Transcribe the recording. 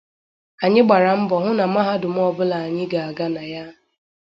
Anyị gbara mbọ hụ na mahadum ọbụla anyị ga-aga na ya